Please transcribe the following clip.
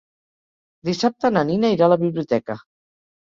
Dissabte na Nina irà a la biblioteca.